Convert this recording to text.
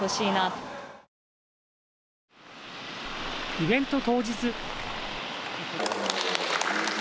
イベント当日。